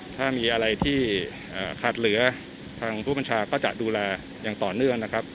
ถ้ามีอะไรที่ขาดเหลือทางผู้บัญชาการก็จะดูแลอย่างต่อเนื่องนะครับ